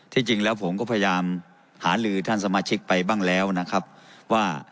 จริงแล้วผมก็พยายามหาลือท่านสมาชิกไปบ้างแล้วนะครับว่า